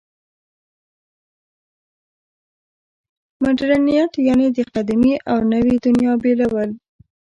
مډرنیت یعنې د قدیمې او نوې دنیا بېلول.